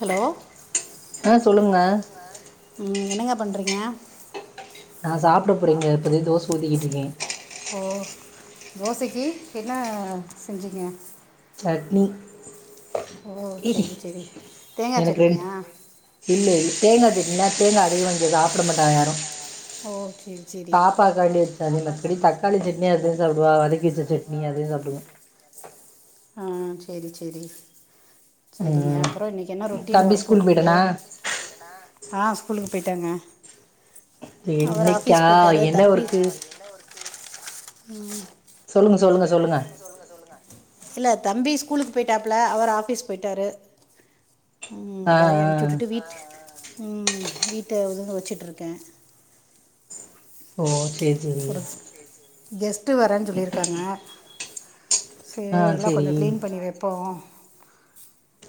Hello ஆ சொல்லுங்க ம் என்னங்க பண்றீங்க நா சாப்ட போறேங்க இப்பதே தோச ஊத்திகிட் ருக்கே ஓ தோசைக்கி என்னா செஞ்சிங்க சட்னி ஓ சேரி சேரி தேங்கா சட்னியா இல்ல இல்ல தேங்கா சட்டினா தேங்கா அதிகமா இங்க சாப்ட மாட்டாங்க யாரும் ஓ சேரி சேரி பாப்பாக்காண்டி வச்சேன் அதே கச்ச சட்னி அதே சாப்டுவோ ஆ சேரி சேரி சேரிங்க ம். அப்புற இன்னக்கி என்ன ரொட்டீன் தம்பி ஒர்க்க ஸ்கூல் உங்ளுக்கு போயிட்டானா ஆ ஸ்கூலுக்கு போயிட்டாங்க அவர் இதுஇன்னக்கா ஆஃபீஸ் போயிட்டாரு என்ன ஒர்க்கு ம் சொல்லுங்க சொல்லுங்க சொல்லுங்க இல்ல தம்பி ஸ்கூலுக்கு போயிட்டாப்ல அவர் ஆஃபீஸ் போயிட்டாரு உம் ஆ எல்லாரையும் அம்ச்சு ஆ உட்டுட்டு வீட் ம் வீட்ட ஒதுங்க வச்சுட்ருக்க ஓகே செரி கெஸ்ட் வரன் சொல்லியிருக்காங்க ஆ சேர் அதெல்லா சரி கொஞ்ச கிளீன் பண்ணி வப்போ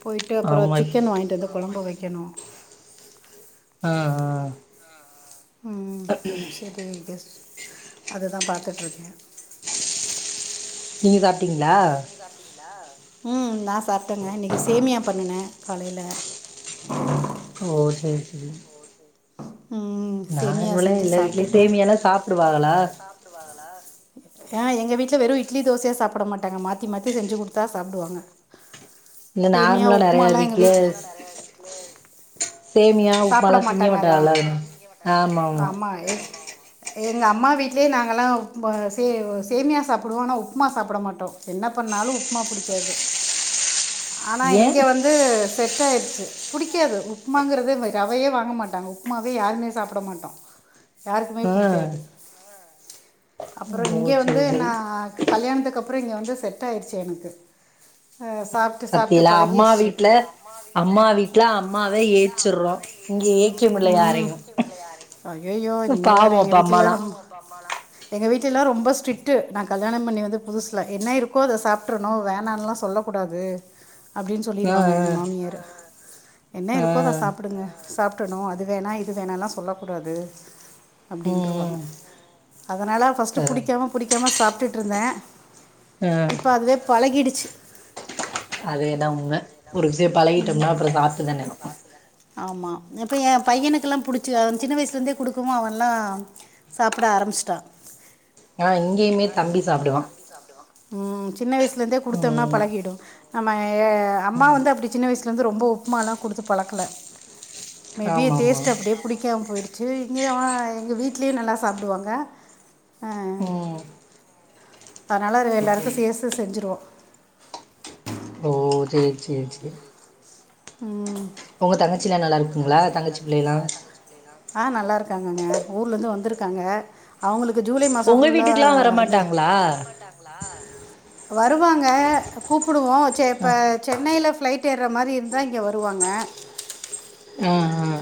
போய்ட்டு அப்புறம் ஆமாம் சிக்கன் வாங்கிட்டு வந்து கொழம்பு வக்கணு ஆ ஆ ம் செரி கெஸ் அது தா பாத்துட்ருக்க நீங்க சாப்ட்டீங்ளா சாப்டிங்ளா ம் நா சாப்டங்க இன்னக்கி சேமியா பண்ணின காலைல ஓ சேரி சேரி ம் சேமியா நார்மலா செஞ்சு எல்லா வீட்லயும் சேமியாலா சாப்புடுவாகளா வருவாகளா ஆ எங்க வீட்ல வெறும் இட்லி தோசையா சாப்ட மாட்டாங்க மத்தி மாத்தி செஞ்ஜி குடுத்தா சாப்டுவாங்க இல்ல நார்மலா நறைய எங்கள் வீட்ல வீட்டில் சேமியா ஆ உப்மால்லா திங்க மாட்டாங்க இல்ல அது நால ஆமாமா ஆ எக் எங்க அம்மா வீட்லயே நாங்கலாம் உப் சே சேமியாக சாப்டுவோ ஆனா உப்மா சாப்ட மாட்டோ என்ன பண்ணாலு உப்மா புடிக்காது ஆனா ஏ இங்க வந்து செட் ஆயிடுச்சி புடிக்காது உப்புமாங்கறதே வை ரவயே வாங்க மாட்டாங்க உப்மாவே யாருமே சாப்ட மாட்டோ யாருக்குமே ஆ புடிக்காது ஆஹ் [unintelligible] அப்புற இங்க ஓ வந்து சேரி நா சேரி கல்யாணத்துக் அப்புற இங்க வந்து செட் ஆயிடிச்சி எனக்கு அ சாப் பத்தியலா அம்மா வீட்ல அம்மா வீட்ல அம்மாவே ஏச் சிட்றோ இங்க ஏக்கமுடில ம், யாரையு பாவோ அப்ப அம்மாலா அமா எங்க வீட்லலா ரொம்ப ஸ்ட்ரிட்டு நா கல்யாணம் பண்ணி வந்த புதுசுல என்ன இருக்கோ அத சாப்ட்றணு வேணான்லா சொல்லக் கூடாது அப்டின் ஆ சொல்லிருவாங்க ஆ எங்க மாமியாரு என்ன ஆ இருக்கோ அத சாப் ப்டுங்க சாப்ட்றணு அது வேணா இது வேணான்லா சொல்லக்கூடாது ம் அப்டின்ருவாங்க ம் அதனால ஃபஸ்ட்டு புடிக்காம புடிக்காம சாப்ட்டுட்ருந்தே ஆ இப்ப அதுவே பழகிடுச்சு அதே தா உண்ம ஒரு விஷ்ய பழகிட்ருந்தா அப்றோ சாப்ட்டு தானேனு ஆமா இப்ப எ பையனுக்குலா புடிச்சு அவ சின்ன வயசுலேருந்தே குடுக்கவு அவன்லா சாப்ட ஆரம்மிச்ட்டா ஆ இங்கேயுமே தம்பி சாப் ம் சின்ன வயசுலருந்தே குடுத்தம்னா பழகிடு நம்மள்ள ம் அம்மா வந்து அப்டி சின்ன வயசுலருந்து ரொம்ப உப்மாலா குடுத்து பழக்கல மே பி ஆமா ஆமா டேஸ்ட்டு அப்டி இரு புடிக்காம போயிடுச்சு இங்கயா அ எங்க வீட்லே நல்லா சாப்டுவாங்க அ ம் அதனால எல்லாருக்கு சேச்சே செஞ்சுருவோ ஓ சேர் சேர் சே ம் ஒங்க தங்கச்சிலா நல்லா இருக் ஆ நல்லா இருக்காங்கங்க ஊர்லருந்து வந்துருக்காங்க அவுங்களுக்கு ஜூலை மாச உங்க ஃபுல்லா வீட்டுக்குலா இந்த வரமாட்டாங்களா வருவாங்க கூப்புடுவோ சேர் ஆ இப்ப சென்னைல ஃப்ளைட் ஏற்ற மாரி இருந்தா இங்க வருவாங்க ஆ ஆ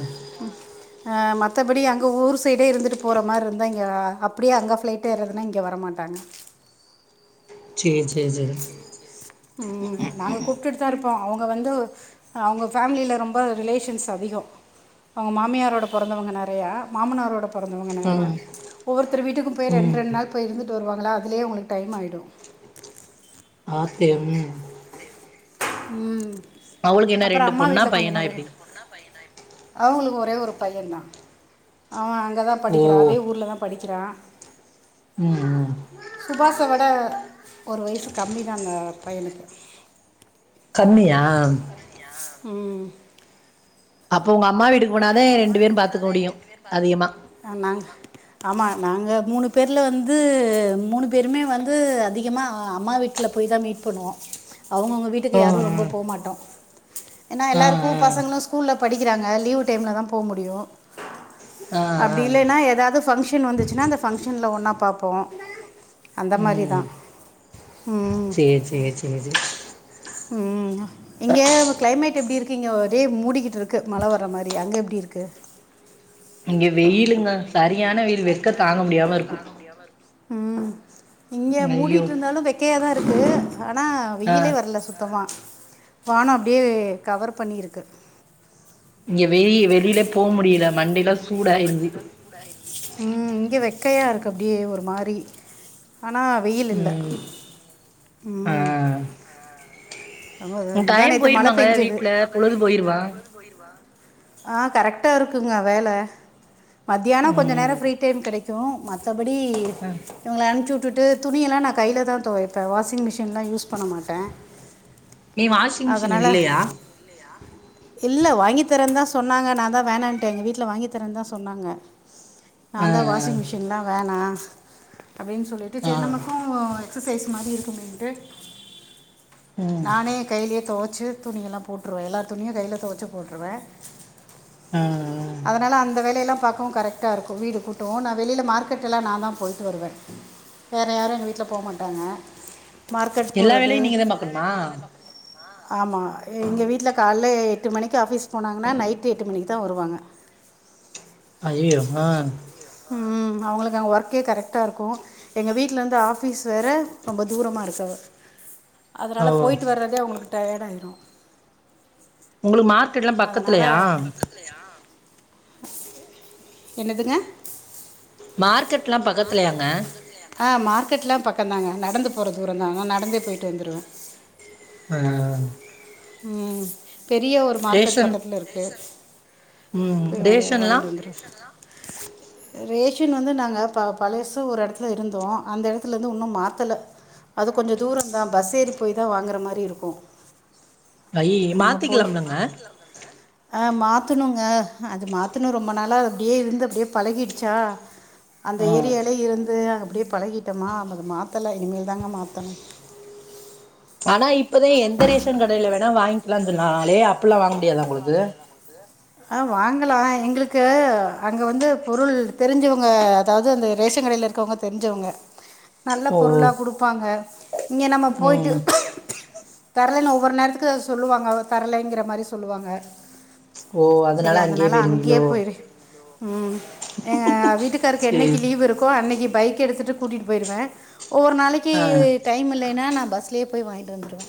அ மத்தபடி அங்க ஊர் சைடே இருந்துட்டு போற மாரி இருந்தா இங்க அப்டியே அங்க ஃபிளைட் டேறதுனா இங்க வரமாட்டாங்க சேரி சேரி சேரி ம் நாங்க கூப்ட்டுட்டு தா இருப்போ அவுங்க வந்து அ அவுங்க ஃபேம்லில ரொம்ப ரிலேஷன்ஸ் அதிக அவுங்க மாமியாரோட பொறந்தவங்க நெறையா மாமனாரோட பொறந்தவ்ங்க நெறையா ம் ஒவ்வொருத்தரு வீட்டுக்கும் போய் ரெண்டு ம் ரெண்டு நாள் போய் இருந்துட்டு வருவாங்களா அதுலே அவ்ங்களுக்கு டைம் ஆயிடு ஆத்தே ம் ம் அவளுக்கு என்ன அப்பற ரெண்டு அம்மா பொண்ணா வீட்ல கொஞ்ச பையனா நாளு இரு எப்டி அவுங்களுக்கு ஒரே ஒரு பையந் தா அவ அங்க தா ஓ படிக்கிறா அதே ஊர்ல தா படிக்கிறா ம் ம் சுபாச விட ஒரு வயசு கம்மி தா அந்த பையனுக்கு கம்மியா ம் அப்போ ஒங்க அம்மா வீட்க்கு போனாதே ரெண்டு பேரு பாத்துக்க முடியு அதிகமா ஆ நாங் ஆமா நாங்க மூணு பேர்ல வந்து மூணு பேருமே வந்து அதிகமா ஆ அம்மா விட் ட்ல போய் தா மீட் பண்ணுவோ அவுங்கவுங்க வீட் டுக்கு ஓ யாரு ரொம்ப போமாட்டோ ஏனா ஆ எல்லாருக்கு ஆ பசங்களா ஸ்கூல்ல படிக்கிறாங்க லீவு டைம்ல தா போ முடியு ஆ அப்டி ஆ இல்லைனா ஆ எதாது ஃபங்க்ஷன் வந்துச்சு சுனா அந்த ஃபங்க்ஷன்ல ஒன்னா பாப்போ அந்த மாரி தா சேர் சேர் சேர் சே ம் நா இங்க கிளைமேட் எப்டி இருக்கு இங்க ஒரே மூடிக்கிட்டு இருக்கு மழ வர்ற மாரி அங்க எப்டி இருக்கு இங்க வெய்லுங்க சரியான வெயில் வெக்க தாங்க முடியாம இருக்கு ம் இங்க ஐயோ மூடிட்டு இருந்தாலு வெக்கையாதா இருக்கு ஆனா ஆ வெயிலே வர்ல சுத்தமா வானோ அப்டியே கவர் பண்ணி இருக்கு இங்க வெயில் வெளியிலே போ முடியல மண்டேலா சூடாயிருது ம் இங்க வெக்கையா இருக்கு அப்டியே ஒரு மாரி ஆனா வெயில் இல்ல ம் ஆ ம் ஆமா அது முந்தா டைம் நேத்து மழ போயிருமாங்க பெஞ்சது வீட்ல பொழுது போயிருமா ஆ கரெக்டா இருக்குங்க வேல மத்தியானோ கொஞ்ச நேரோ ம் ஃப்ரீ டைம் கெடைக்கு மத்தபடி ஆ இவங்கள அனுப்ச்சுட்டுட்டு துணியெல்லா நா கைல தா துவைப்பே வாஷிங்மிஷின்லா யூஸ் பண்ண மாட்டே நீ வாஷிங் மிஷின் அதனால இல்லையா இல்ல வாங்கி தரேன் தா சொன்னாங்க நா தா வேணான்ட்டே எங்க வீட்ல வாங்கி தரேன் தா சொன்னாங்க நா ஆ தா வாஷிங்மிஷின்லா வேணா அப்டின் சொல்லிட்டு ஆ ஆ செரி நமக்கு எக்ஸ்சைஸ் மாரி இருக்குமேன்ட்டு ம் நானே கையிலேயே துவச்சு துணிய எல்லா போட்ருவே எல்லா துணியு கைல துவச்சு போட்ருவே ஆ ஆ அதனால அந்த வேலையெல்லா பாக்கவு கரெக்ட் டா இருக்கு வீடு கூட்டவு நா வெளியில மார்க்கெட்டெல்லா நா தா போய்ட்டு வருவே வேற யாரு எங்க வீட்ல போ மாட்டாங்க மார்க்கட் எல்லா போறது வேலையு நீங்க தா பாக்கணுமா ஆ ஆமா எங்க வீட்ல கால்ல எட்டு மணிக்கு ஆஃபீஸ் போனாங்கன்னா நைட்டு எட்டு மணிக்கு தா வருவாங்க அய்யயோ ஆ ம் அவங்களுக் அங்கே ஒர்க்கே கரெக்டா இருக்கு எங்க வீட்ல இருந்து ஆபீஸ் வேற ரொம்ப தூரமா இருக்கு ஓ அதனால போயிட்டு வர்றதே அவுங்களுக்கு டயார்டாயிரு உங்களுக் மார்க்கெட்லா பக்கத்துலயா என்னதுங்க மார்க்கெட்லா பக்கத்லையாங்க ஆ மார்கெட்லா பக்கந்தாங்க நடந்து போற தூரந்தாங்க நா நடந்தே போயிட்டு வந்துருவ ஆ ம் பெரிய ஒரு மார்க்கட் ரேஷன் பக்கத்துல இருக்கு ம் ரேஷன்லா ரேஷன்லா ரேஷன் வந்து நாங்க ப பழசு ஒரு எடத்துல இருந்தோ அந்த எடத்துல இருந்து இன்னு மாத்தல அது கொஞ்ச தூரந்தா பஸ் ஏறி போய் தா வாங்குற மாரி இருக்கு அய்யய மாத்திகிலாம்லங்க ஆ மாத்துணுங்க அது மாத்தணு ரொம்ப நாளா அப்டியே இருந்து அப்டியே பழகிடுச்சா அந்த ஏரியாலயே இருந்து அப்டியே பழகிட்டோமா அத மாத்தல இனிமேல் தாங்க மாத்தணு ஆனா இப்பதா எந்த ரேஷன் கடைல வேணா வாங்கிக்கலான் சொன்னாகளே அப்பல்லா வாங்க முடியாத உங்களுக்கு த அ வாங்கலா எங்களுக்கு அங்க வந்து பொருள் தெரிஞ்சவங்க அதாவது அந்த ரேஷன் கடையில க்கவங்க தெரிஞ்சவங்க நல்ல ஓ பொருளா கொடுப்பாங்க இங்க நம்ம போயிட்டு ம் தரலன்னு ஒவ்வொரு நேரத்துக்கு சொல்லுவாங்க தரலைங்கிற மாரி சொல்லுவாங்க சுரி அதனால அங்கேயே போயிரு ம் எங்க வீட்டுக்காருக்கு சேரி என்னைக்கு லீவ் இருக்கோ அன்னைக்கு பைக் எடுத்துட் டு கூட்டிட்டு போய்ருவ ஒவ்வொரு நாளைக்கு ஆ டைம் இல்லைன்னா நா பஸ்லயே போய் வாங்கிட்டு வந்துருவ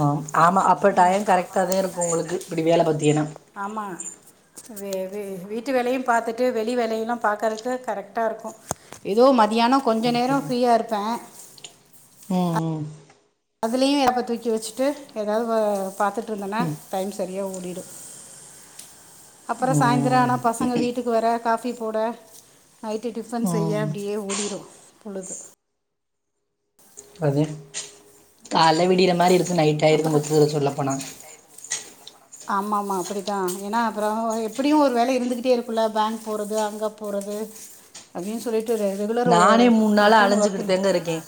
ஆ ஆமா அப்ப டைம் கரெக்டா தா இருக்கு உங்களுக்கு இப்டி வேல பாத்தியங்கன்னா ஆமா வே வே வீட்டு வேலையு பாத்துட்டு வெளி வேலையுல்லா பாக்கறக்கு கரெக்டா இருக்கு ஏதோ மதியானோ கொஞ்ச நேரோ ஃப்ரீயா இருப்ப ம் ம் அதுலயு லேப்ப தூக்கி வச்சுட்டு எதாது வ பாத்துட்டு இருந்தன்னா டைம் சரியா ஓடிடு அப்றோ சாய்ந்திரோ ம் ஆனா பசங்க வீட்டுக்கு வர காஃபி போட நைட்டு டிஃபன் செய்ய ம் அப்டியே ஓடிரு பொழுது அது கால்ல விடியற மாரி இருக்கு நைட் ஆயிருது அப்புறம் மொத்ததுல சொல்ல போனா ஆமா ஆமா அப்டித்தா ஏனா அப்றோ எப்டியு ஒரு வேல இருந்துகிட்டே இருக்குல்ல பேங்க் போறது அங்க போறது அப்டின்னு சொல்லிட்டு ரெகுலர் உ நானே மூணு நாளா ரொடீன் ஒர்க் அலைஞ்சுக்கிட்டுதாங்க இருக்கே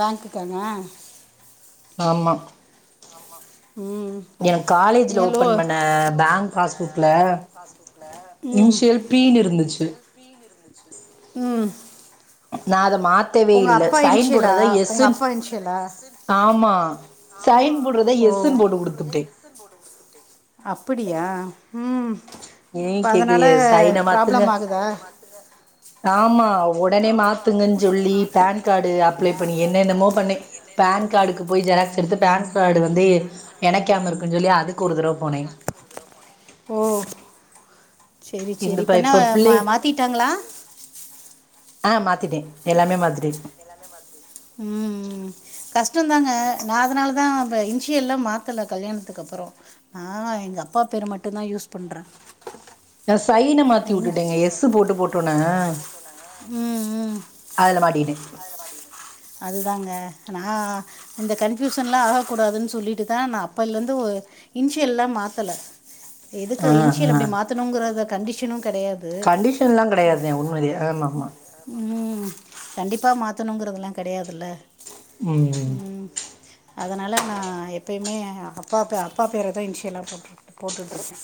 பேங்க்குக்காங்க ஆமா ம் எனக்கு காலேஜ்ல ஏலோ ஓபன் பண்ண பேங்க் பாஸ்புக்ல பாஸ்புக்ல இன்ஷியல் பீனு இருந்துச்சி பீ னு இருந்திச்சி ம் நா அத மாத்தவே உங்கள் இல்ல அப்பா சைன் இன்ஷியலா போடுறத உங்கள் எஸ்சுன் அப்பா இன்ஷியலா ஆமா சைன் போடுறத எஸ்சுன் போட்டு குடுத்துப்புட்டே அப்புடியா ம் ஏ இப்போ கேக்றிக அதனால் சைன மாத்துங்க ப்ராப்ளம் ஆகுதா ஆமா ஒடனே மாத்துங்கன் சொல்லி பேன் காடு அப்ளே பண்ணி என்னென்னமோ பண்ண பேன் கார்டுக்கு போய் ஜெராக்ஸ் எடுத்து பேன் கார்டு வந்து எ எணைக்காம இருக்குன் சொல்லி அதுக்கு ஒரு தடவ போனே ஓ சேரி சேரி இந்தப்ப இப்ப என்ன ம பிள்ளை மாத்திட்டாங்களா ஆ மாத்திட்டே எல்லாமே மாத்திட்டே ம் ம் கஷ்டதாங்க நா அதனால தா ப இன்சியல்லா மாத்தல கல்யாணத்துக்கு அப்றோ ஆ எங்க அப்பா பேரு மட்டுந்தா யூஸ் பண்ற நா சைன மாத்திவுட்டுடேங்க எஸ்ஸு போட்டு போட்டுவனாக ம் ம் அதுல மாட்டிகிட்டே அதுதாங்க நா இந்த கன்ஃபியூசன்ல்லா ஆக கூடாதுன்னு சொல்லிட்டுதா நா அப்பலந்து ஒ இன்ஷியல்லா மாத்தல எதுக்கு ஆ இன்ஷியல் ஆ அப்டி மாத்துணுங்கறத கண்டிஷனு கெடையாது கண்டிஷன்ல்லா கடையாதே உண்மைலயே ஆமா ஆமா ம் கண்டிப்பா மாத்தணுங்கறதுலா கடையாதுல்ல ம் அதனால நா எப்பயுமே அப்பா பே அப்பா பேர தா இன்ஷியலா போட்ருக் போட்டுட்ருக்கே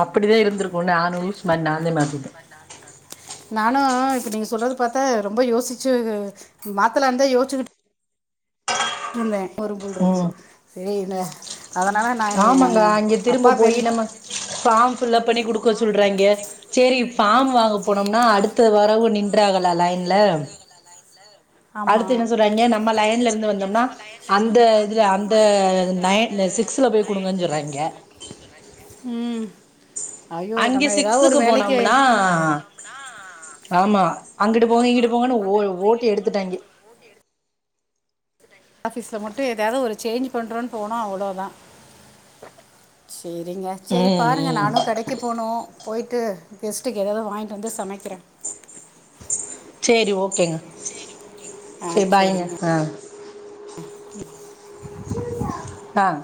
அப்படிதா இருந்துருக்கு நானு லூசு மாரி நான்ந்தே மத்திட்டே நானு இப்ப நீங்க சொல்றது பாத்தா ரொம்ப யோசிச்சி மாத்தலாந்தா யோசிச்சிக்கிட்டு ந்தே ஒரு புல் இருக்கு ம் சேரி என்ன அதனால நா ஏ அப்பா பெரி ஃபாம் ஃபில்லப் பண்ணி குடுக்க சொல்றய்ங்க செரி ஃபாம் வாங்க போனோம்னா அடுத்த வரவு நின்றாகல லைன்ல அடுத்து ஆமாம் என்ன சொல்றய்ங்க நம்ம லயன்லருந்து வந்தோம்னா அந்த இதுல அந்த நய ன்னு சிக்ஸ்ல போய் கொடுங்கன் சொல்றாய்ங்க ம் ஐயோ அங்கெ நம்ம ஏதாவது ஒரு சிக்ஸ்க்கு வேலைக்கு போனோம்னா ஆமா அங்கிட்டு போங்க இங்கிட்டு போங்கனு ஓ ஓட்டி எடுத்துட்டாய்ங்கெ ஓட்டி எடுத் ஆஃபீஸ்ல மட்டு எதயாவது ஒரு சேஞ்ச் பண்ணுறோனு போனோ அவ்ளோதா சேரிங்க சேரி ம் பாருங்க ம் நானு கடைக்கு போனூ போய்ட்டு கெஸ்ட்டுக்கு எதாவது வாய்ன்ட்டு வந்து சமைக்கிறே சேரி ஓக்கேங்க செரி பாய்ங்க ஆ ம்ம்ம்ம் ஆன்